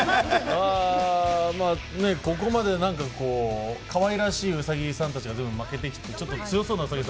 まあね、ここまでなんかこう、かわいらしいうさぎさんたちが負けてきて、ちょっと強そうなうさ